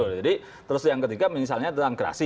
jadi terus yang ketiga misalnya tentang kerasi